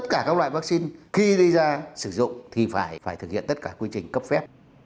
tất cả các loại vaccine khi đi ra sử dụng thì phải thực hiện tất cả quy trình cấp phép